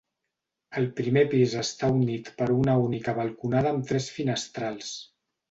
El primer pis està unit per una única balconada amb tres finestrals.